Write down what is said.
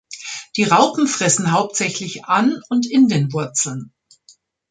Die Raupen fressen hauptsächlich an und in den Wurzeln.